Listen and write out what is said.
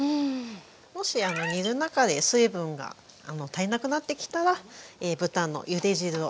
もし煮る中で水分が足りなくなってきたら豚のゆで汁を足していきます。